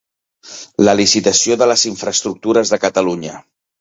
La licitació de les infraestructures de Catalunya.